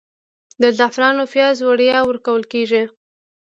د زعفرانو پیاز وړیا ورکول کیږي؟